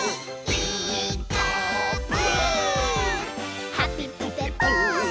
「ピーカーブ！」